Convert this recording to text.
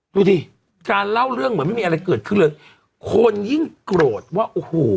ดูดิการเล่าเรื่องเหมือนไม่มีอะไรเกิดขึ้นเลยคนยิ่งโกรธว่าโอ้โห